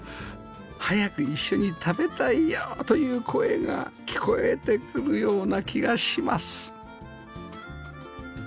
「早く一緒に食べたいよ」という声が聞こえてくるような気がします